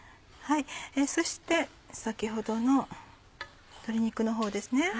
そして先ほどの鶏肉のほうですね。